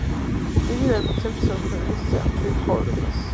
იგი გადმოსცემს სოფლის მშვიდ ცხოვრებას.